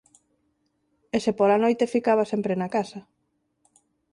E se pola noite ficaba sempre na casa.